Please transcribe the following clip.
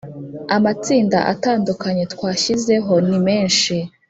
amatsinda atandukanye twashyizeho ni menshi